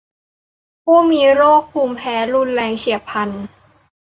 ผู้มีโรคภูมิแพ้รุนแรงเฉียบพลัน